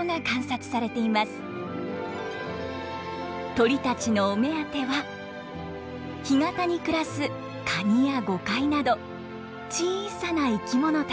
鳥たちのお目当ては干潟に暮らすカニやゴカイなど小さな生き物たち。